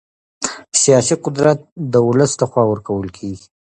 سیاسي قدرت د ولس له خوا ورکول کېږي